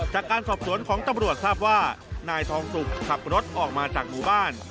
จากการสอบสวนของตำรวจทราบว่านายทองสุกขับรถออกมาจากหมู่บ้าน